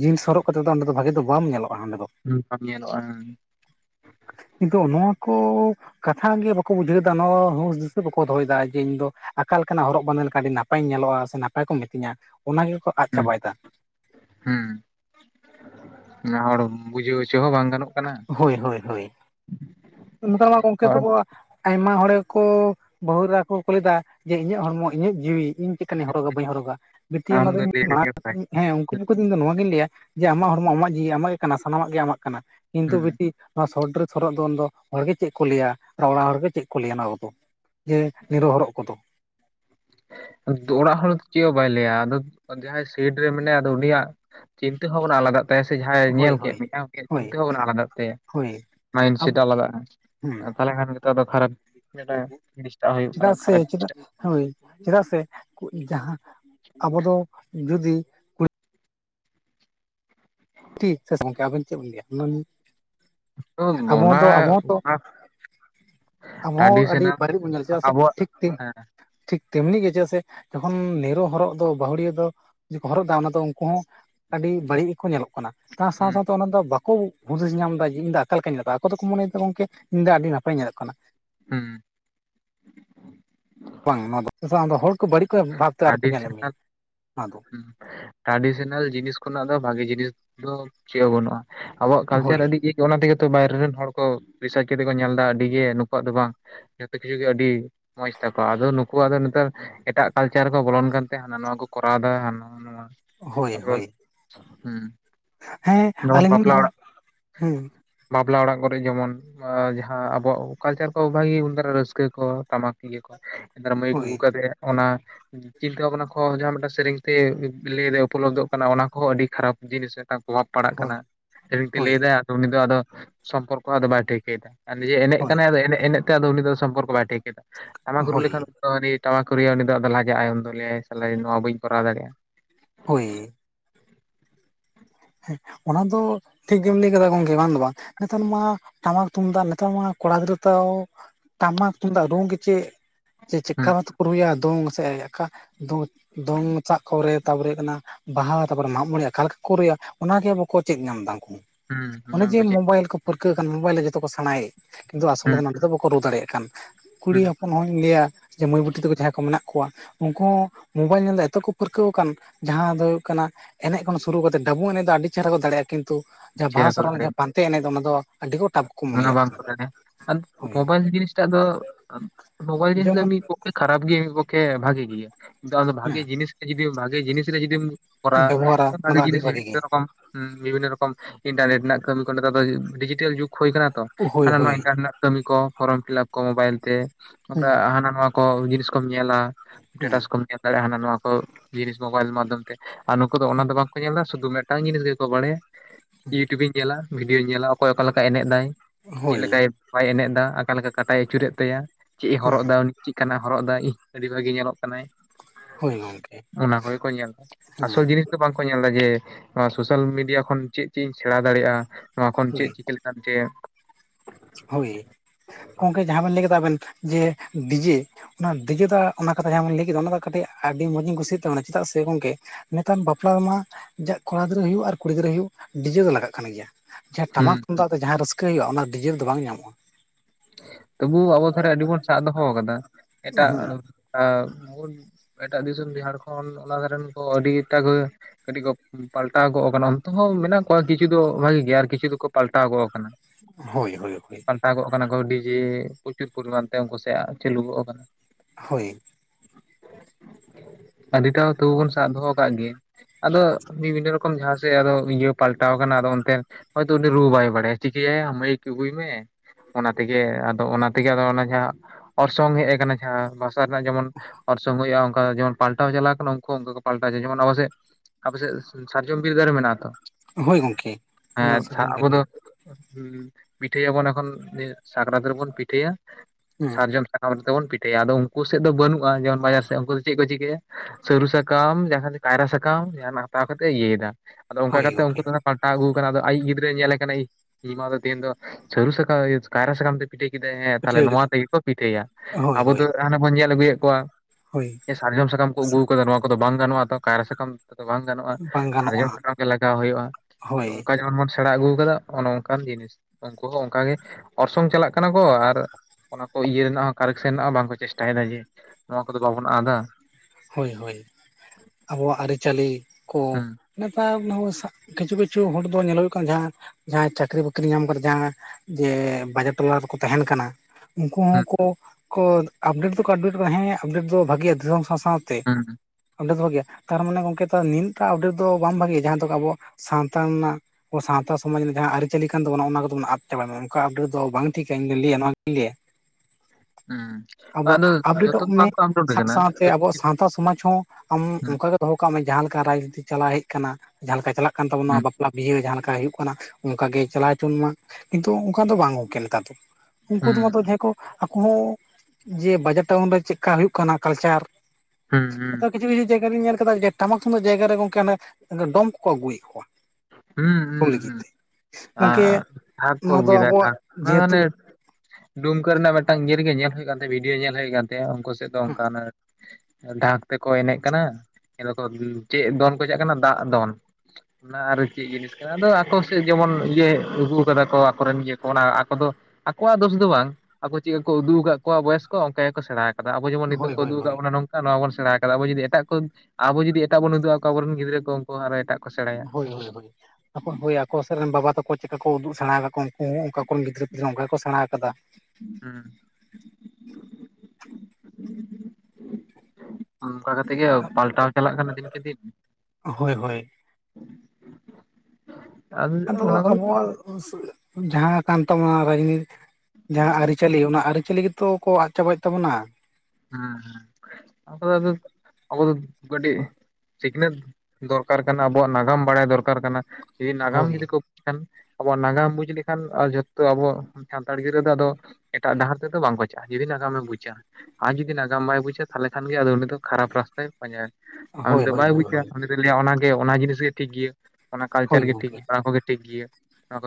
ᱡᱤᱱᱥ ᱦᱚᱨᱚᱜ ᱠᱟᱛᱮ ᱫᱚ ᱚᱸᱰᱮ ᱫᱚ ᱵᱷᱟᱜᱤ ᱫᱚ ᱵᱟᱢ ᱧᱮᱞᱚᱜᱼᱟ ᱚᱸᱰᱮ ᱫᱚ ᱱᱚᱝᱠᱟᱢ ᱧᱮᱞᱚᱜᱼᱟ᱾ ᱱᱤᱛᱚᱜ ᱱᱚᱣᱟ ᱠᱚ ᱠᱟᱛᱷᱟ ᱜᱮ ᱵᱟᱠᱚ ᱵᱩᱡᱷᱟᱹᱣ ᱫᱟ ᱱᱚᱣᱟ ᱦᱩ‍ᱸᱥ ᱫᱤᱥᱟᱹ ᱵᱟᱠᱚ ᱫᱚᱦᱚᱭ ᱮᱫᱟ ᱡᱮ ᱤᱧ ᱫᱚ ᱟᱠᱟ ᱞᱮᱠᱟᱱᱟᱜ ᱦᱚᱨᱚᱜ ᱵᱟᱸᱫᱮ ᱞᱮᱠᱷᱟᱱ ᱟᱹᱰᱤ ᱱᱟᱯᱟᱭᱤᱧ ᱧᱮᱞᱚᱜᱼᱟ ᱥᱮ ᱱᱟᱯᱟᱭ ᱠᱚ ᱢᱤᱛᱟᱹᱧᱟ᱾ ᱚᱱᱟ ᱜᱮ ᱠᱚ ᱟᱫ ᱦᱩᱸ ᱪᱟᱵᱟᱭᱮᱫᱟ᱾ ᱦᱩᱸ ᱱᱚᱣᱟ ᱦᱚᱲ ᱵᱩᱡᱷᱟᱹᱣ ᱦᱚᱪᱚ ᱦᱚᱸ ᱵᱟᱝ ᱜᱟᱱᱚᱜ ᱠᱟᱱᱟ ᱦᱳᱭ ᱦᱳᱭ ᱦᱳᱭ ᱱᱮᱛᱟᱨ ᱢᱟ ᱜᱚᱝᱠᱮ ᱟᱨ ᱛᱟᱠᱚᱣᱟ ᱟᱭᱢᱟ ᱦᱚᱲ ᱜᱮ ᱠᱚ ᱵᱟᱹᱦᱩ ᱮᱨᱟ ᱠᱚ ᱠᱚ ᱞᱮᱫᱟ ᱡᱮ ᱤᱧᱟᱹᱜ ᱦᱚᱲᱢᱚ ᱤᱧᱟᱹᱜ ᱡᱤᱣᱤ ᱤᱧ ᱛᱟᱦᱞᱮᱧ ᱦᱚᱨᱚᱜᱟ ᱵᱟᱹᱧ ᱦᱚᱨᱚᱜᱟ ᱵᱤᱛᱤᱭ ᱟᱢ ᱢᱟ ᱫᱚ ᱞᱟᱹᱭ ᱢᱟᱲ ᱨᱮᱜᱮ ᱵᱷᱟᱭ [inaudible] ᱦᱮᱸ ᱩᱱᱠᱩ ᱯᱚᱠᱠᱷᱮ ᱫᱚ ᱤᱧ ᱫᱚ ᱱᱚᱣᱟ ᱜᱤᱧ ᱞᱟᱹᱭᱟ ᱡᱮ ᱟᱢᱟᱜ ᱦᱚᱲᱢᱚ ᱟᱢᱟᱜ ᱡᱤᱣᱤ ᱟᱢᱟᱜ ᱜᱮ ᱠᱟᱱᱟ ᱥᱟᱱᱟᱢᱟᱜ ᱜᱮ ᱟᱢᱟᱜ ᱠᱟᱱᱟ᱾ ᱠᱤᱱᱛᱩ ᱦᱩᱸ ᱵᱤᱴᱤ ᱱᱚᱣᱟ ᱥᱚᱴ ᱰᱮᱨᱮᱥ ᱦᱚᱨᱚᱜ ᱫᱚᱱ ᱫᱚ ᱦᱚᱲ ᱜᱮ ᱪᱮᱫ ᱠᱚ ᱞᱟᱹᱭᱟ ᱟᱨ ᱚᱲᱟᱜ ᱦᱚᱲ ᱜᱮ ᱪᱮᱫ ᱠᱚ ᱞᱟᱹᱭᱟ ᱱᱚᱣᱟ ᱠᱚᱫᱚ ᱡᱮ ᱱᱮᱨᱳ ᱦᱚᱨᱚᱜ ᱠᱚ ᱫᱚ ᱛᱚ ᱚᱲᱟᱜ ᱦᱚᱲ ᱪᱤᱜ ᱦᱚᱸ ᱵᱟᱭ ᱞᱟᱹᱭᱟ ᱟᱫᱚ ᱡᱟᱦᱟᱸᱭ ᱥᱟᱹᱭᱤᱴ ᱨᱮ ᱢᱮᱱᱟᱭᱟ ᱟᱫᱚ ᱩᱱᱤᱭᱟᱜ ᱪᱤᱱᱛᱟᱹ ᱵᱷᱟᱵᱽᱱᱟ ᱟᱞᱟᱫᱟᱜ ᱛᱟᱭᱟ ᱥᱮ ᱡᱟᱦᱟᱸᱭ ᱦᱳᱭ ᱧᱮᱞ ᱠᱮᱜ ᱦᱳᱭ ᱢᱤᱠᱷᱟᱱ ᱦᱳᱭ ᱪᱤᱱᱛᱟᱹ ᱵᱷᱟᱵᱽᱱᱟ ᱟᱞᱟᱫᱟᱜ ᱛᱟᱭᱟ᱾ ᱦᱳᱭ ᱢᱟᱭᱤᱱᱰ ᱟᱵᱚ ᱥᱮᱰ ᱟᱞᱟᱫᱟᱜᱼᱟ᱾ ᱦᱩᱸ ᱛᱟᱦᱞᱮ ᱠᱷᱟᱱ ᱜᱤᱛᱚ ᱫᱚ ᱠᱷᱟᱨᱟᱯ ᱢᱤᱫᱴᱟᱝ ᱡᱤᱱᱤᱥᱴᱟᱜ ᱦᱳᱭᱳᱜ ᱠᱟᱱᱟ ᱪᱮᱫᱟᱜ ᱥᱮ ᱠᱷᱟᱨᱟᱯ ᱪᱮᱫᱟᱜ ᱡᱤᱱᱤᱥᱴᱟᱜ ᱦᱳᱭ ᱪᱮᱫᱟᱜ ᱥᱮ ᱡᱟᱦᱟᱸ ᱟᱵᱚ ᱫᱚ ᱡᱩᱫᱤ ᱴᱤ ᱜᱚᱝᱠᱮ ᱟᱵᱮᱱ ᱪᱮᱫ ᱵᱮᱱ ᱞᱮᱭᱟ ᱛᱚ ᱟᱵᱚᱦᱚᱸ ᱚᱱᱟ ᱛᱚ ᱟᱵᱚᱦᱚᱸᱛᱚ ᱚᱱᱟ ᱟᱵᱚ ᱦᱚᱸ ᱟᱹᱰᱤ ᱴᱨᱟᱰᱤᱥᱚᱱᱟᱞ ᱯᱟᱹᱲᱤᱡ ᱵᱚᱱ ᱧᱮᱞᱟ ᱪᱮᱫᱟᱜ ᱥᱮ ᱟᱵᱚᱣᱟᱜ ᱴᱷᱤᱠ ᱴᱷᱤᱠ ᱦᱮᱸ ᱴᱷᱤᱠ ᱛᱮᱢᱱᱤ ᱜᱮ ᱪᱮᱫᱟᱜ ᱥᱮ ᱡᱚᱠᱷᱚᱱ ᱱᱮᱨᱳ ᱦᱚᱨᱚᱜ ᱫᱚ ᱵᱟᱹᱦᱩᱲᱤᱭᱟᱹ ᱫᱚ ᱦᱚᱨᱚᱜ ᱫᱟ ᱚᱱᱟ ᱫᱚ ᱩᱝᱠᱳ ᱦᱚᱸ ᱟᱹᱰᱤ ᱵᱟᱹᱲᱤᱡ ᱜᱮᱠᱚ ᱧᱮᱞᱚᱜ ᱠᱟᱱᱟ ᱛᱟᱣ ᱥᱟᱶ ᱦᱩᱸ ᱥᱟᱶᱛᱮ ᱚᱱᱟ ᱫᱚ ᱵᱟ ᱠᱚ ᱦᱩᱫᱤᱥ ᱧᱟᱢ ᱫᱟ ᱡᱮ ᱤᱧ ᱫᱚ ᱟᱠᱟ ᱞᱮᱠᱟᱧ ᱧᱮᱞ ᱮᱫᱟ ᱟᱠᱚ ᱫᱚᱠᱚ ᱢᱚᱱᱮᱭᱮᱫᱟ ᱜᱚᱝᱠᱮ ᱤᱧ ᱫᱚ ᱟᱹᱰᱤ ᱱᱟᱯᱟᱭᱤᱧ ᱧᱮᱞᱚᱜ ᱠᱟᱱᱟ᱾ ᱦᱩᱸ ᱵᱟᱝ ᱚᱱᱟ ᱫᱚ ᱪᱟᱜ ᱥᱮ ᱦᱚᱲ ᱠᱚ ᱵᱟᱹᱲᱤᱡ ᱠᱷ ᱵᱷᱟᱜ [unintelligible] ᱟᱹᱰᱤ ᱡᱷᱟᱠᱟᱥ ᱴᱟᱰᱤᱥᱮᱱᱟᱞ ᱡᱤᱱᱤᱥ ᱠᱷᱚᱱᱟᱜ ᱫᱚ ᱵᱷᱟᱜᱤ ᱡᱤᱱᱤᱥ ᱫᱚ ᱪᱮᱫ ᱦᱚᱸ ᱵᱟᱹᱱᱩᱜᱼᱟ ᱟᱵᱚᱣᱟᱜ ᱠᱟᱞᱪᱟᱨ ᱦᱳᱭ ᱟᱹᱰᱤ ᱚᱱᱟ ᱛᱮᱜᱮ ᱛᱚ ᱵᱟᱭᱨᱮ ᱨᱮᱱ ᱦᱚᱲ ᱠᱚ ᱨᱤᱥᱟᱨᱪ ᱠᱟᱛᱮ ᱠᱚ ᱧᱮᱞ ᱫᱟ ᱟᱹᱰᱤ ᱜᱮ ᱱᱩᱠᱩᱣᱟᱜ ᱫᱚ ᱵᱟᱝ ᱡᱚᱛᱚ ᱠᱤᱪᱷᱩ ᱜᱮ ᱟᱹᱰᱤ ᱢᱚᱸᱡᱽ ᱛᱟᱠᱚᱣᱟ ᱟᱫᱚ ᱱᱩᱠᱩᱣᱟᱜ ᱫᱚ ᱱᱮᱛᱟᱨ ᱮᱴᱟᱜ ᱠᱟᱞᱪᱟᱨ ᱨᱮᱠᱚ ᱵᱚᱞᱚᱱ ᱠᱟᱱᱛᱮ ᱦᱟᱱᱟ ᱱᱟᱣᱟ ᱠᱚ ᱠᱚᱨᱟᱣ ᱫᱟ ᱦᱟᱱᱟ ᱱᱚᱣᱟ ᱦᱳᱭ ᱦᱳᱭ ᱦᱩᱸ ᱦᱮᱸ ᱡᱮᱢᱚᱱ ᱟᱞᱤᱧ ᱵᱟᱯᱞᱟ ᱚᱲᱟᱜ ᱦᱚᱸ ᱦᱩᱸ ᱵᱟᱯᱞᱟ ᱚᱲᱟᱜ ᱠᱚᱨᱮ ᱡᱮᱢᱚᱱ ᱡᱟᱦᱟᱸ ᱟᱵᱚᱣᱟᱜ ᱠᱟᱞᱪᱟᱨ ᱠᱚ ᱵᱷᱟᱹᱜᱤ ᱜᱮ ᱩᱱᱫᱨᱟ ᱨᱟᱹᱥᱠᱟᱹ ᱠᱚ ᱴᱟᱢᱟᱠ ᱤᱭᱟᱹᱠᱚ ᱱᱮᱛᱟᱨ ᱢᱟᱹᱭᱤᱠ ᱦᱳᱭ ᱟᱹᱜᱩ ᱠᱟᱛᱮᱫ ᱚᱱᱟ ᱪᱤᱱᱛᱟᱹ ᱵᱷᱟᱵᱽᱱᱟ ᱠᱚᱦᱚᱸ ᱡᱟᱦᱟᱸ ᱢᱮᱫᱴᱟᱝ ᱥᱮᱨᱮᱧ ᱛᱮ ᱯᱮᱞᱮ ᱫᱟᱭ ᱩᱯᱚᱞᱚᱵᱫᱷᱚᱜ ᱠᱟᱱᱟ ᱚᱱᱟ ᱠᱚ ᱦᱚᱸ ᱟᱹᱰᱤ ᱠᱷᱟᱨᱟᱯ ᱡᱤᱱᱤᱥ ᱠᱟᱝ ᱯᱨᱚᱵᱷᱟᱵᱽ ᱯᱟᱲᱟᱜ ᱦᱳᱭ ᱠᱟᱱᱟ ᱦᱳᱭ ᱯᱮᱞᱮ ᱫᱟᱭ ᱫᱚ ᱩᱱᱤ ᱫᱚ ᱟᱫᱚ ᱥᱚᱢᱯᱚᱨᱠᱚ ᱟᱫᱚ ᱵᱟᱭ ᱴᱷᱟᱹᱣᱠᱟᱹᱭᱟ ᱫᱟ ᱾ ᱟᱨ ᱱᱤᱡᱮ ᱮᱱᱮᱡ ᱦᱳᱭ ᱠᱟᱱᱟᱭ ᱮᱱᱮᱡ ᱮᱱᱮᱡ ᱛᱮ ᱟᱫᱚ ᱩᱱᱤ ᱫᱚ ᱥᱚᱢᱯᱚᱨᱠᱚ ᱵᱟᱭ ᱴᱷᱟᱹᱭᱠᱟᱹ ᱫᱟ ᱴᱟᱢᱟᱠ ᱨᱩ ᱦᱳᱭ ᱞᱮᱠᱷᱟᱱ ᱫᱚ ᱩᱱᱤ ᱴᱟᱢᱟᱠ ᱮ ᱨᱩᱭᱟ ᱩᱱᱤ ᱫᱚ ᱟᱫᱚ ᱞᱟᱡᱟᱜ ᱟᱭ ᱩᱱᱫᱚ ᱞᱟᱹᱭᱟᱭ ᱥᱟᱞᱟ ᱱᱚᱣᱟ ᱵᱟᱹᱧ ᱠᱚᱨᱟᱣ ᱫᱟᱲᱮᱭᱟᱜᱼᱟ᱾ ᱦᱩᱭ ᱚᱱᱟ ᱫᱚ ᱴᱷᱤᱠ ᱜᱮᱢ ᱞᱟᱹᱭ ᱠᱟᱫᱟ ᱜᱚᱢᱠᱮ ᱵᱟᱝ ᱫᱚ ᱵᱟᱝ ᱱᱮᱛᱟᱨ ᱢᱟ ᱴᱟᱢᱟᱠ ᱛᱩᱢᱫᱟᱜ ᱱᱮᱛᱟᱨ ᱢᱟ ᱠᱚᱲᱟ ᱜᱤᱫᱽᱨᱟᱹ ᱛᱟᱣ ᱴᱟᱢᱟᱠ ᱛᱩᱢᱫᱟᱜ ᱨᱩ ᱜᱮ ᱪᱮᱜ ᱪᱮᱸ ᱪᱮᱫᱠᱟ ᱦᱩᱸ ᱠᱟᱛᱮᱠᱚ ᱨᱩᱭᱟ ᱫᱚᱝ ᱥᱮ ᱟᱠᱟ ᱫᱚ ᱫᱚᱝ ᱪᱟᱜ ᱠᱚᱨᱮ ᱛᱟᱯᱚᱨᱮ ᱦᱳᱭᱳᱜ ᱠᱟᱱᱟ ᱵᱟᱦᱟ ᱛᱟᱯᱚᱨᱮ ᱢᱟᱜᱢᱚᱬᱮ ᱟᱠᱟ ᱞᱮᱠᱟ ᱠᱚ ᱨᱩᱭᱟ᱾ ᱚᱱᱟᱜᱮ ᱵᱟᱠᱚ ᱪᱮᱫ ᱧᱟᱢ ᱫᱟ ᱩᱱᱠᱩ ᱦᱩᱸ ᱚᱱᱮ ᱦᱩᱸ ᱡᱮ ᱪᱮᱫ ᱢᱳᱵᱟᱭᱤᱞ ᱠᱚ ᱯᱟᱹᱨᱠᱟᱹᱣ ᱠᱟᱱ ᱢᱳᱵᱟᱭᱤᱞ ᱨᱮ ᱡᱷᱚᱛᱚ ᱠᱚ ᱥᱮᱸᱬᱟᱭᱮᱜ᱾ ᱠᱤᱱᱛᱩ ᱟᱥᱚᱞᱮ ᱦᱩᱸ ᱫᱚ ᱱᱚᱸᱰᱮ ᱫᱚ ᱵᱟᱠᱚ ᱨᱩ ᱫᱟᱲᱮᱭᱟᱜ ᱠᱟᱱ ᱠᱩᱲᱤ ᱦᱩᱸ ᱦᱚᱯ ᱯᱚᱱᱟᱜ ᱦᱩᱧ ᱞᱟᱹᱭᱟ ᱡᱮ ᱢᱟᱹᱭ ᱵᱩᱴᱤ ᱛᱟᱠᱚ ᱡᱟᱦᱟᱸᱭ ᱠᱚ ᱢᱮᱱᱟᱜ ᱠᱚᱣᱟ ᱳᱝᱠᱳ ᱦᱚᱸ ᱢᱳᱵᱟᱭᱤᱞ ᱧᱮᱞ ᱛᱮ ᱮᱛᱚ ᱠᱚ ᱯᱟᱹᱨᱠᱟᱹᱣ ᱠᱟᱱ ᱡᱟᱦᱟᱸ ᱫᱚ ᱭᱩᱜ ᱠᱟᱱᱟ ᱮᱱᱮᱡ ᱠᱷᱚᱱ ᱥᱩᱨᱩ ᱠᱟᱛᱮᱜ ᱰᱟᱹᱵᱩᱝ ᱮᱱᱮᱡ ᱫᱚ ᱟᱹᱰᱤ ᱪᱮᱦᱨᱟ ᱠᱚ ᱫᱟᱲᱮᱭᱟᱜ ᱠᱤᱱᱛᱩ ᱡᱟᱦᱟᱸ ᱪᱮᱫ ᱵᱟᱦᱟ ᱟᱠᱚ ᱥᱚᱨᱚᱱ ᱫᱟᱲᱮᱭᱟᱜᱼᱟ ᱡᱟᱦᱟᱸ ᱯᱟᱱᱛᱮ ᱮᱱᱮᱡ ᱫᱚ ᱚᱱᱟ ᱫᱚ ᱟᱹᱰᱤ ᱠᱚ ᱴᱟᱯ ᱠᱚ ᱢᱚᱱᱮᱭᱟᱜ ᱠᱟᱱᱟ᱾ ᱟᱫ ᱦᱳᱭ ᱵᱚᱵᱟᱭᱤᱞ ᱡᱤᱱᱤᱥ ᱴᱟᱜ ᱫᱚ ᱢᱚᱵᱟᱭᱤᱞ ᱡᱤᱱᱤᱥ ᱫᱚ ᱡᱮᱢᱚᱱ ᱢᱤᱫ ᱯᱚᱠᱠᱷᱮ ᱠᱷᱟᱨᱟᱯ ᱜᱮ ᱢᱤᱜ ᱯᱚᱠᱠᱷᱮ ᱵᱷᱟᱜᱤ ᱜᱤᱭᱟ᱾ ᱫᱚ ᱟᱢᱫᱚ ᱵᱷᱟᱜᱤ ᱦᱮᱸ ᱡᱤᱱᱤᱥ ᱜᱤ ᱡᱩᱫᱤ ᱵᱷᱟᱜᱤ ᱡᱤᱱᱤᱥ ᱨᱮ ᱡᱩᱫᱤᱢ ᱠᱚᱨᱟᱣᱟ ᱵᱮᱵᱚᱦᱟᱨᱟ ᱚᱱᱟ ᱵᱷᱟᱜᱤ ᱫᱚ ᱟᱹᱰᱤ ᱡᱤᱱᱤᱥ ᱜᱮ ᱵᱤᱵᱷᱤᱱᱱᱚ ᱨᱚᱠᱚᱢ ᱦᱩᱸ ᱵᱤᱵᱷᱤᱱᱱᱚ ᱨᱚᱠᱚᱢ ᱤᱱᱴᱟᱨᱱᱮᱴ ᱨᱮᱱᱟᱜ ᱠᱟᱹᱢᱤ ᱠᱚ ᱱᱮᱛᱟᱨ ᱫᱚ ᱰᱤᱡᱤᱴᱮᱞ ᱡᱩᱜᱽ ᱦᱩᱭ ᱠᱟᱱᱟ ᱛᱚ ᱦᱳᱭ ᱦᱟᱱᱟ ᱦᱳᱭ ᱱᱚᱣᱟ ᱤᱱᱴᱟᱨᱱᱟ ᱠᱟᱹᱢᱤ ᱠᱚ ᱯᱷᱚᱨᱚᱢ ᱯᱷᱤᱞᱟᱯ ᱠᱚ ᱢᱚᱵᱟᱭᱤᱞ ᱛᱮ ᱱᱚᱝᱠᱟ ᱦᱮᱸ ᱦᱟᱱᱟ ᱱᱟᱣᱟ ᱠᱚ ᱡᱤᱱᱤᱥ ᱠᱚᱢ ᱧᱮᱞᱟ ᱦᱮᱸ ᱴᱮᱴᱟᱥ ᱠᱚᱢ ᱧᱮᱞ ᱫᱟᱲᱮᱜ-ᱟ ᱦᱟᱱᱟ ᱱᱚᱣᱟ ᱠᱚ ᱡᱤᱱᱤᱥ ᱢᱚᱵᱟᱭᱤᱞ ᱢᱟᱫᱽᱫᱷᱚᱢ ᱛᱮ᱾ ᱟᱨ ᱱᱩᱠᱩ ᱫᱚ ᱚᱱᱟ ᱫᱚ ᱵᱟᱝᱠᱚ ᱧᱮᱞ ᱫᱟ ᱥᱩᱫᱩ ᱢᱮᱫᱴᱟᱝ ᱡᱤᱱᱤᱥ ᱜᱮᱠᱚ ᱵᱟᱲᱟᱭᱟ ᱤᱭᱩᱴᱩᱵᱤᱧ ᱧᱮᱞᱟ ᱵᱷᱤᱰᱤᱭᱳᱧ ᱧᱮᱞᱟ ᱚᱠᱚᱭ ᱚᱠᱟ ᱞᱮᱠᱟᱭ ᱮᱱᱮᱡ ᱫᱟᱭ ᱪᱮᱫ ᱦᱳᱭ ᱞᱮᱠᱟᱭ ᱚᱭ ᱮᱱᱮᱡ ᱫᱟ ᱟᱠᱟᱞᱮᱠᱟ ᱠᱟᱴᱟᱭ ᱟᱹᱪᱩᱨᱮᱫ ᱛᱟᱭᱟ ᱪᱮᱜ ᱮ ᱦᱮᱸ ᱦᱚᱨᱚᱜ ᱫᱟ ᱩᱱᱤ ᱪᱤᱜ ᱠᱟᱱᱟᱜ ᱦᱚᱨᱚᱜ ᱫᱟ ᱤᱷ ᱟᱹᱰᱤ ᱵᱷᱟᱜᱤ ᱧᱮᱞᱚᱜ ᱠᱟᱱᱟᱭ᱾ ᱦᱳᱭ ᱜᱚᱝᱠᱮ ᱚᱱᱟ ᱠᱚᱜᱮ ᱠᱚ ᱧᱮᱞᱫᱟ ᱦᱮᱸ ᱟᱥᱚᱞ ᱡᱤᱱᱤᱥ ᱫᱚ ᱵᱟᱝ ᱠᱚ ᱠᱚ ᱧᱮᱞ ᱫᱟ ᱡᱮ ᱱᱚᱣᱟ ᱥᱳᱥᱟᱞ ᱢᱤᱰᱤᱭᱟ ᱠᱷᱚᱱ ᱪᱮᱜ ᱪᱮᱜ ᱤᱧ ᱥᱮᱬᱟ ᱫᱟᱲᱮᱜ-ᱟ ᱱᱚᱣᱟ ᱠᱷᱚᱱ ᱪᱮᱫ ᱦᱳᱭ ᱪᱤᱠᱟᱹ [unintelligible] ᱦᱳᱭ ᱜᱚᱝᱠᱮ ᱡᱟᱦᱟᱸ ᱵᱮᱱ ᱞᱟᱹᱭ ᱠᱮᱫᱟ ᱟᱵᱮᱱ ᱡᱮ ᱰᱤᱡᱮ ᱚᱱᱟ ᱰᱤᱡᱮ ᱫᱟᱜ ᱚᱱᱟ ᱠᱟᱛᱷᱟ ᱡᱟᱦᱟᱸ ᱵᱮᱱ ᱞᱟᱹᱭ ᱠᱮᱫᱟ ᱚᱱᱟ ᱫᱚ ᱠᱟᱹᱴᱤᱡ ᱟᱹᱰᱤ ᱢᱚᱸᱡᱽ ᱤᱧ ᱠᱩᱥᱤᱭᱟᱜ ᱛᱟᱵᱚᱱᱟ ᱪᱮᱫᱟᱜ ᱥᱮ ᱜᱚᱝᱠᱮ ᱱᱮᱛᱟᱢ ᱵᱟᱯᱞᱟ ᱨᱮᱢᱟ ᱡᱟᱜ ᱠᱚᱲᱟ ᱜᱤᱫᱽᱨᱟᱹ ᱦᱩᱭᱩᱜ ᱟᱨ ᱠᱩᱲᱤ ᱜᱤᱫᱽᱨᱟᱹᱭ ᱦᱩᱭᱩᱜ ᱰᱤᱡᱮ ᱫᱚ ᱞᱟᱜᱟᱜ ᱠᱟᱱ ᱜᱮᱭᱟ᱾ ᱡᱟᱦᱟᱸ ᱦᱩᱸ ᱴᱟᱢᱟᱠ ᱛᱩᱢᱫᱟᱜ ᱛᱮ ᱡᱟᱦᱟᱸ ᱨᱟᱹᱥᱠᱟᱹ ᱦᱩᱭᱩᱜ-ᱟ ᱚᱱᱟ ᱰᱤᱡᱮ ᱨᱮ ᱫᱚ ᱵᱟᱝ ᱧᱟᱢᱚᱜ-ᱟ᱾ ᱛᱚᱵᱩ ᱟᱵᱚ ᱫᱷᱟᱨᱮ ᱟᱹᱰᱤᱵᱚᱱ ᱥᱟᱵ ᱫᱚᱦᱚᱣ ᱠᱟᱫᱟ ᱮᱴᱟᱜ ᱦᱩᱸ ᱟᱸ ᱢᱩᱞ ᱮᱴᱟᱜ ᱫᱤᱥᱚᱢ ᱡᱷᱟᱲᱠᱷᱚᱱ ᱚᱱᱟ ᱫᱷᱟᱨᱮᱱ ᱠᱚ ᱟᱹᱰᱤ ᱮᱴᱟᱜᱟᱹ ᱠᱟᱹᱴᱤᱡ ᱠᱚ ᱯᱟᱞᱴᱟᱣ ᱜᱚᱜ ᱟᱠᱟᱱᱟ ᱚᱱᱛᱮ ᱦᱚᱸ ᱢᱮᱱᱟᱜ ᱠᱚᱣᱟ ᱠᱤᱪᱷᱩ ᱫᱚ ᱵᱷᱟᱜᱤ ᱜᱮ ᱟᱨ ᱠᱤᱪᱷᱩ ᱫᱚᱠᱚ ᱯᱟᱞᱴᱟᱣ ᱜᱚᱜ ᱟᱠᱟᱱᱟ᱾ ᱦᱳᱭ ᱦᱳᱭ ᱦᱳᱭ ᱟ ᱜᱚᱜ ᱠᱟᱱᱟ ᱠᱚ ᱰᱤᱡᱮ ᱯᱚᱪᱩᱨ ᱯᱚᱨᱤᱢᱟᱱ ᱛᱮ ᱩᱱᱠᱩ ᱥᱮ ᱟ ᱪᱟᱹᱞᱩ ᱜᱚᱜ ᱟᱠᱟᱱᱟ᱾ ᱦᱳᱭ ᱟᱹᱰᱤᱴᱟᱣ ᱛᱟᱹᱣ ᱵᱚᱱ ᱥᱟᱵ ᱫᱚᱦᱚ ᱟᱠᱟᱜ ᱜᱮᱭᱟ, ᱟᱫᱚ ᱵᱤᱵᱷᱤᱱᱱᱚ ᱨᱚᱠᱚᱢ ᱡᱟᱦᱟᱸ ᱥᱮᱜ ᱟᱫᱚ ᱤᱭᱟᱹ ᱯᱟᱞᱴᱟᱣ ᱠᱟᱱᱟ ᱟᱫᱚ ᱚᱱᱛᱮ ᱦᱚᱭ ᱛᱚ ᱩᱱᱤ ᱨᱩ ᱵᱟᱭ ᱵᱟᱲᱟᱭᱟ ᱪᱤᱠᱟᱹᱭᱟᱭ ᱢᱟᱭᱤᱠ ᱟᱸᱜᱩᱭ ᱢᱮ ᱚᱱᱟ ᱛᱮᱜᱮ ᱟᱫᱚ ᱚᱱᱟ ᱛᱮᱜᱮ ᱟᱫᱚ ᱚᱱᱟ ᱡᱟᱦᱟᱸ ᱚᱨᱥᱚᱝ ᱦᱮᱡ ᱟᱠᱟᱱᱟ ᱡᱟᱦᱟᱸ ᱵᱟᱥ ᱛᱟᱨ ᱱᱟᱜ ᱡᱮᱢᱚᱱ ᱚᱨᱥᱚᱝ ᱦᱩᱭᱩᱜ-ᱟ ᱚᱝᱠᱟ ᱡᱮᱢᱚᱱ ᱯᱟᱞᱴᱟᱣ ᱪᱟᱞᱟᱣ ᱠᱟᱱᱟ ᱩᱱᱠᱩ ᱦᱚᱸ ᱚᱱᱠᱟ ᱠᱚ ᱯᱟᱞᱴᱟᱣ ᱪᱟ ᱡᱮᱢᱚᱱ ᱟᱵᱚ ᱥᱮᱫ, ᱟᱯᱮ ᱥᱮᱫ ᱥᱟᱨᱡᱚᱢ ᱵᱤᱨ ᱫᱟᱨᱮ ᱢᱮᱱᱟᱜ-ᱟ ᱛᱚ? ᱦᱳᱭ ᱜᱚᱝᱠᱮ ᱦᱮ, ᱪᱷᱟ ᱟᱵᱚ ᱫᱚ ᱦᱩᱸ ᱯᱤᱴᱷᱟᱹᱭᱟᱵᱚᱱ ᱮᱠᱷᱚᱱ ᱥᱟᱠᱨᱟᱛ ᱨᱮᱵᱚᱱ ᱯᱤᱴᱷᱟᱹᱭᱟ ᱦᱮᱸ ᱥᱟᱨᱡᱚᱢ ᱥᱟᱠ ᱛᱮᱵᱚᱱ ᱯᱤᱴᱷᱟᱹᱭᱟ ᱟᱫᱚ ᱩᱱᱠᱩ ᱥᱮᱜ ᱫᱚ ᱵᱟᱹᱱᱩᱜ-ᱟ, ᱡᱮᱢᱚᱱ ᱵᱟᱡᱟᱨ ᱥᱮᱜ ᱩᱱᱠᱩ ᱫᱚ ᱪᱮᱫ ᱠᱚ ᱪᱤᱠᱟᱹᱭᱟ? ᱥᱟᱹᱨᱩ ᱥᱟᱠᱟᱢ ᱡᱟᱦᱟᱸ ᱠᱟᱭᱨᱟ ᱥᱟᱠᱟᱢ ᱡᱟᱦᱟᱸᱟᱱᱟᱜ ᱦᱟᱛᱟᱣ ᱠᱟᱛᱮᱜ ᱮ ᱤᱭᱟᱹᱭ ᱫᱟ ᱟᱫᱚ ᱚᱝᱠᱟ ᱦᱳᱭ ᱠᱟᱛᱮ ᱜᱚᱝᱠᱮ ᱩᱱᱠᱩ ᱫᱚᱱᱟ ᱯᱟᱞᱴᱟᱣ ᱟᱹᱜᱩ ᱠᱟᱱᱟ ᱫᱚ ᱟᱭᱤᱡ ᱜᱤᱫᱽᱨᱟᱹ ᱧᱮᱞᱮ ᱠᱟᱱᱟᱭ ᱤᱷ ᱤᱧᱤᱜ ᱢᱟ ᱫᱚ ᱛᱮᱦᱮᱧ ᱫᱚ ᱥᱟᱹᱨᱩ ᱥᱟᱠᱟ ᱠᱟᱭᱨᱟ ᱥᱟᱠᱟᱢ ᱛᱮ ᱯᱤᱴᱷᱟᱹ ᱠᱮᱫᱟᱭ ᱦᱮᱸ ᱯᱤᱴᱷᱟᱹ ᱛᱟᱦᱞᱮ ᱱᱚᱣᱟ ᱛᱮᱜᱮᱠᱚ ᱯᱤᱴᱷᱟᱹᱭᱟ ᱦᱳᱭ ᱟᱵᱚ ᱦᱳᱭ ᱫᱚ ᱦᱟᱱᱮ ᱵᱚᱱ ᱧᱮᱞ ᱟᱹᱜᱩᱭᱮᱫ ᱠᱚᱣᱟ ᱦᱳᱭ ᱥᱟᱨᱡᱚᱢ ᱥᱟᱠᱟᱢ ᱠᱚ ᱟᱹᱜᱩᱣ ᱠᱟᱫᱟ ᱱᱚᱣᱟ ᱠᱚᱫᱚ ᱵᱟᱝ ᱜᱟᱱᱚᱜ-ᱟ ᱛᱚ ᱠᱟᱭᱨᱟ ᱥᱟᱠᱟᱢ ᱠᱟᱛᱚ ᱵᱟᱝ ᱜᱟᱱᱚᱜᱼᱟ, ᱵᱟᱝ ᱜᱟᱱᱚᱜᱼᱟ ᱥᱟᱨᱡᱚᱢ ᱥᱟᱠᱟᱢ ᱜᱮ ᱞᱟᱜᱟᱣ ᱦᱳᱭᱳᱜ-ᱟ ᱟᱫᱚ ᱦᱳᱭ ᱚᱱᱠᱟ ᱡᱮ ᱥᱮᱬᱟ ᱟᱹᱜᱩᱣ ᱠᱟᱫᱟ ᱚᱱᱮ ᱚᱱᱠᱟᱱ ᱡᱤᱱᱤᱥ, ᱩᱱᱠᱩ ᱦᱚᱸ ᱚᱝᱠᱟ ᱜᱮ ᱚᱨᱥᱚᱝ ᱪᱟᱞᱟᱜ ᱠᱟᱱᱟ ᱠᱚ ᱟᱨ ᱚᱱᱟ ᱠᱚ ᱤᱭᱟᱹ ᱨᱮᱱᱟᱜ ᱦᱚᱸ ᱠᱟᱨᱮᱠᱥᱮᱱ ᱨᱮᱱᱟᱜ ᱵᱟᱝ ᱠᱚ ᱪᱮᱥᱴᱟᱭᱫᱟ ᱡᱮ ᱱᱚᱣᱟ ᱠᱚᱫᱚ ᱵᱟᱵᱚᱱ ᱟᱫᱟ- ᱦᱳᱭ ᱦᱳᱭ ᱟᱵᱚᱣᱟᱜ ᱟᱹᱨᱤᱪᱟᱹᱞᱤ ᱠᱚ, ᱦᱩᱸ ᱱᱮᱛᱟᱨ ᱫᱚ ᱥᱟᱜ ᱠᱤᱪᱷᱩ ᱠᱤᱪᱷᱩ ᱦᱚᱲ ᱫᱚ ᱧᱮᱞᱚᱜ ᱦᱩᱭᱩᱜ ᱠᱟᱱᱟ ᱡᱟᱦᱟᱸ ᱡᱟᱦᱟᱸᱭ ᱪᱟᱠᱨᱤ ᱵᱟᱹᱠᱨᱤ ᱧᱟᱢ ᱠᱟ ᱠᱟᱛᱮᱫ ᱡᱟᱦᱟᱸ ᱡᱮ ᱵᱟᱡᱟᱨ ᱴᱚᱞᱟ ᱨᱮᱠᱚ ᱛᱟᱦᱮᱱ ᱠᱟᱱᱟ᱾ ᱩᱱᱠᱩ ᱦᱩᱸ ᱦᱚᱸᱠᱚ ᱟᱯᱰᱮᱴ ᱫᱚᱠᱚ ᱟᱯᱰᱮᱴ, ᱦᱮᱸ ᱟᱯᱰᱮᱴ ᱫᱚ ᱵᱷᱟᱜᱤᱭᱟ ᱫᱤᱥᱚᱢ ᱥᱟᱶ ᱥᱟᱶᱛᱮ᱾ ᱦᱩᱸ ᱚᱸᱰᱮ ᱫᱚ ᱵᱷᱟᱜᱮᱭᱟ ᱛᱟᱨ ᱢᱟᱱᱮ ᱜᱚᱝᱠᱮ ᱛᱚ ᱟᱨ ᱱᱤᱱᱴᱟᱜ ᱚᱯᱰᱮᱴ ᱫᱚ ᱵᱟᱝ ᱵᱷᱟᱜᱮᱭᱟ ᱡᱟᱦᱟᱸ ᱫᱚ ᱟᱵᱚ ᱥᱟᱶᱛᱟ ᱢᱮᱱᱟᱜ, ᱟᱵᱚ ᱥᱟᱶᱛᱟ ᱥᱚᱢᱟᱡᱽ ᱡᱟᱦᱟᱸ ᱟᱹᱨᱤᱪᱟᱹᱞᱤ ᱠᱟᱱ ᱛᱟᱵᱚ ᱚᱱᱟ ᱠᱚᱫᱚ ᱵᱚᱱ ᱟᱫ ᱪᱟᱵᱟᱭ ᱠᱮᱫᱟ ᱚᱱᱠᱟ ᱟᱯᱰᱮᱴ ᱫᱚ ᱵᱟᱝ ᱴᱷᱤᱠᱟ ᱤᱧ ᱞᱟᱹᱭᱟ ᱱᱚᱣᱟ ᱜᱮᱤᱧ ᱞᱟᱹᱭᱟ᱾ [inaudible] ᱦᱩᱸ ᱟᱵᱚ ᱟᱫᱚ ᱡᱚᱛᱚ ᱟᱯᱰᱮᱴᱚᱜ ᱫᱚ ᱢᱮ ᱵᱟᱝ ᱠᱟᱱ, ᱥᱟᱶ ᱥᱟᱶᱛᱮ ᱟᱵᱚᱣᱟᱜ ᱥᱟᱶᱛᱟ ᱥᱚᱢᱟᱡᱽ ᱦᱚᱸ, ᱟᱢ ᱦᱩᱸ ᱚᱱᱠᱟ ᱜᱮ ᱫᱚᱦᱚ ᱠᱟᱜ ᱢᱮ ᱡᱟᱦᱟᱸ ᱞᱮᱠᱟ ᱨᱟᱡᱽᱱᱤᱛᱤ ᱪᱟᱞᱟᱣ ᱦᱮᱜ ᱠᱟᱱᱟ ᱡᱟᱦᱟᱸ ᱞᱮᱠᱟ ᱪᱟᱞᱟᱜ, ᱠᱟᱱ ᱛᱟᱵᱚᱱᱟ ᱦᱩᱸ ᱵᱟᱯᱞᱟ ᱵᱤᱦᱟᱹ ᱡᱟᱦᱟᱸ ᱞᱮᱠᱟ ᱦᱩᱭᱩᱜ ᱠᱟᱱᱟ᱾ ᱚᱱᱠᱟ ᱜᱮ ᱪᱟᱞᱟᱣ ᱦᱚᱪᱚᱱ ᱢᱟ ᱠᱤᱱᱛᱩ ᱚᱱᱠᱟ ᱫᱚ ᱵᱟᱝ ᱜᱚᱝᱠᱮ ᱱᱮᱛᱟᱨ ᱫᱚ ᱩᱱᱠᱩ ᱫᱚ ᱦᱩᱸ ᱢᱟᱛᱚ ᱡᱟᱦᱟᱭ ᱠᱚ, ᱟᱠᱚ ᱦᱚᱸ ᱡᱮ ᱵᱟᱡᱟᱨ ᱴᱟᱣᱩᱱ ᱨᱮ ᱪᱮᱫᱞᱮᱠᱟ ᱦᱩᱭᱩᱜ ᱠᱟᱱᱟ ᱠᱟᱞᱪᱟᱨ᱾ ᱦᱩᱸ ᱠᱤᱪᱷᱩ ᱠᱤᱪᱷᱩ ᱡᱟᱭᱜᱟ ᱨᱮᱧ ᱧᱮᱞ ᱠᱟᱫᱟ ᱡᱮ ᱴᱟᱢᱟᱠ ᱛᱩᱢᱫᱟᱜ ᱡᱟᱭᱜᱟ ᱨᱮ ᱜᱚᱝᱠᱮ ᱚᱱᱮ ᱰᱚᱢ ᱠᱚᱠᱚ ᱟᱹᱜᱩᱭᱮᱜ ᱠᱚᱣᱟ᱾ ᱦᱩᱸ ᱨᱩ ᱦᱩᱸ ᱞᱟᱹᱜᱤᱫ ᱦᱩᱸ ᱛᱮ, ᱜᱚᱝᱠᱮ ᱟᱨ ᱴᱷᱟᱠ ᱠᱚ ᱱᱚᱣᱟ ᱫᱚ ᱟᱹᱜᱩᱭᱮᱫᱟ ᱟᱵᱚᱣᱟᱜ ᱴᱷᱟᱠ ᱚᱱᱟ ᱫᱚ ᱡᱮᱦᱮᱛᱩ ᱦᱟᱱᱮ ᱰᱩᱢᱠᱟᱹ ᱨᱮᱱᱟᱜ ᱢᱤᱫᱴᱟᱝ ᱤᱭᱟᱹ ᱨᱮᱜᱮ ᱧᱮᱞ ᱦᱩᱭᱩᱜ ᱠᱟᱱ ᱛᱟᱦᱮ ᱵᱷᱤᱰᱭᱳ ᱧᱮᱞ ᱦᱩᱭᱩᱜ ᱠᱟᱱ ᱛᱟᱦᱮᱸ ᱩᱱᱠᱩ ᱥᱮᱫ ᱫᱚ ᱚᱝᱠᱟᱱᱟᱜ, ᱰᱷᱟᱠ ᱛᱮᱠᱚ ᱮᱱᱮᱡ ᱠᱟᱱᱟ, ᱟᱫᱚᱠᱚ ᱪᱮᱫ ᱫᱚᱱ ᱠᱚ ᱪᱟᱜ ᱠᱟᱱᱟ ᱫᱟᱜᱽ ᱫᱚᱱ᱾ ᱚᱱᱟ ᱟᱨᱚ ᱪᱮᱫ ᱡᱤᱱᱤᱥ ᱠᱟᱱᱟ, ᱟᱫᱚ ᱟᱠᱚ ᱥᱮᱫ ᱡᱮᱢᱚᱱ ᱤᱭᱟᱹ ᱟᱹᱜᱩ ᱠᱟᱫᱟ ᱠᱚ ᱟᱠᱚᱨᱮᱱ ᱤᱭᱟᱹ ᱠᱚ ᱚᱱᱟ ᱟᱠᱚ ᱫᱚ, ᱟᱠᱚᱣᱟᱜ ᱫᱳᱥ ᱫᱚ ᱵᱟᱝ, ᱟᱠᱚ ᱪᱮᱫᱠᱟ ᱠᱚ ᱩᱫᱩᱜ ᱟᱠᱟᱫ ᱠᱚᱣᱟ ᱵᱚᱭᱮᱥ ᱠᱚ ᱚᱱᱠᱟ ᱜᱮᱠᱚ ᱥᱮᱬᱟᱭ, ᱠᱟᱫᱟ ᱟᱵᱚ ᱡᱮᱢᱚᱱ ᱱᱤᱛᱚᱜ ᱦᱳᱭ ᱠᱚ ᱦᱳᱭ ᱩᱫᱩᱜ ᱦᱳᱭ ᱟᱠᱟᱫ ᱵᱚᱱᱟ ᱱᱚᱝ ᱱᱚᱣᱟ ᱵᱚᱱ ᱥᱮᱬᱟ ᱟᱠᱟᱫᱟ ᱟᱵᱚ ᱡᱩᱫᱤ ᱮᱴᱟᱜ ᱠᱚ ᱟᱵᱚ ᱡᱩᱫᱤ ᱮᱴᱟᱜ ᱵᱚᱱ ᱩᱫᱩᱜ ᱟᱠᱚᱭᱟ ᱟᱵᱚ ᱨᱮᱱ ᱜᱤᱫᱽᱨᱟᱹ ᱠᱚ ᱩᱱᱠᱩ ᱟᱨᱚ ᱮᱴᱟᱜ ᱠᱚ ᱥᱮᱸᱬᱟᱭᱟ᱾ ᱦᱳᱭ ᱦᱳᱭ ᱦᱳᱭ ᱛᱟᱯᱚᱨ ᱦᱳᱭ ᱟᱠᱚ ᱥᱮᱫ ᱨᱮᱱ ᱵᱟᱵᱟ ᱛᱟᱠᱚ ᱪᱮᱫᱠᱟ, ᱠᱚ ᱩᱫᱩᱜ ᱥᱮᱬᱟ ᱠᱟᱫᱟ ᱠᱚ ᱩᱱᱠᱩ ᱦᱚᱸ ᱚᱚᱱᱠᱟ ᱠᱚᱨᱮᱱ ᱜᱤᱫᱽᱨᱟᱹ ᱯᱤᱫᱽᱨᱟᱹ ᱚᱱᱠᱟ ᱠᱚ ᱥᱮᱬᱟᱣ ᱠᱟᱫᱟ᱾ ᱦᱩᱸ [inaudible] ᱚᱱᱠᱟ ᱠᱟᱛᱮ ᱜᱮ ᱯᱟᱞᱴᱟᱣ ᱪᱟᱞᱟᱜ ᱠᱟᱱᱟ ᱫᱤᱱᱠᱮ ᱫᱤᱱ᱾ ᱦᱳᱭ ᱦᱳᱭ ᱟᱫᱚ ᱚᱱᱟ ᱠᱚᱫᱚ ᱟᱵᱚᱣᱟᱜ ᱡᱟᱦᱟᱸ ᱠᱟᱱ ᱛᱟᱢᱟ ᱨᱟᱡᱽᱱᱤᱛ, ᱡᱟᱦᱟᱸ ᱟᱹᱨᱤᱪᱟᱹᱞᱤ ᱚᱱᱟ ᱟᱹᱨᱤᱪᱟᱹᱞᱤ ᱜᱮᱛᱚ ᱠᱚ ᱟᱫ ᱪᱟᱵᱟᱭᱮᱫ ᱛᱟᱵᱚᱱᱟ᱾ ᱦᱩᱸ ᱦᱩᱸ ᱚᱱᱠᱟ ᱫᱚ ᱟᱵᱚ ᱫᱚ ᱠᱟᱴᱤᱜ, ᱥᱤᱠᱷᱱᱟᱹᱛ ᱫᱚᱨᱠᱟᱨ ᱠᱟᱱᱟ ᱟᱵᱚᱣᱟᱜ ᱱᱟᱜᱟᱢ ᱵᱟᱲᱟᱭ ᱫᱚᱨᱠᱟᱨ ᱠᱟᱱᱟ ᱠᱤ ᱱᱟᱜᱟᱢ ᱦᱳᱭ ᱡᱩᱫᱤ ᱠᱚ, ᱠᱷᱟᱱ ᱟᱵᱚᱣᱟᱜ ᱱᱟᱜᱟᱢ ᱵᱩᱡᱽ ᱞᱮᱠᱷᱟᱱ ᱡᱷᱚᱛᱚ ᱟᱵᱚᱭᱟᱜ ᱥᱟᱱᱛᱟᱲ ᱜᱤᱫᱽᱨᱟᱹ ᱫᱚ ᱟᱫᱚ, ᱮᱴᱟᱜ ᱰᱟᱦᱟᱨ ᱛᱮᱫᱚ ᱵᱟᱝᱠᱚ ᱪᱟᱜᱼᱟ ᱡᱩᱫᱤ ᱱᱟᱜᱟᱢᱮ ᱵᱩᱡᱟ, ᱟᱨ ᱡᱩᱫᱤ ᱱᱟᱜᱟᱢ ᱵᱟᱭ ᱵᱩᱡᱟ ᱛᱟᱦᱚᱞᱮ ᱠᱷᱟᱱ ᱜᱮ ᱟᱫᱚ ᱩᱱᱤ ᱫᱚ ᱠᱷᱟᱨᱟᱯ ᱨᱟᱥᱛᱟᱭ ᱯᱟᱸᱡᱟᱭᱟ ᱟᱨ ᱦᱳᱭ ᱩᱱᱤ ᱫᱚ ᱦᱳᱭ ᱵᱟᱭ ᱵᱩᱡᱟ ᱦᱳᱭ ᱩᱱᱤ ᱫᱚ᱾ ᱟᱫᱚ ᱞᱟᱹᱭᱟ ᱚᱱᱟᱜᱮ ᱚᱱᱟ ᱡᱤᱱᱤᱥ ᱜᱮ ᱴᱷᱤᱠ ᱜᱮᱭᱟ ᱚᱱᱟ ᱦᱳᱭ ᱠᱟᱞᱪᱟᱨ ᱜᱮ ᱴᱷᱤᱠ ᱜᱚᱢᱠᱮ ᱜᱮᱭᱟ ᱚᱱᱟ ᱠᱚᱜᱮ ᱴᱷᱤᱠ ᱜᱮᱭᱟ᱾ ᱱᱚᱣᱟ ᱠᱚᱫᱚ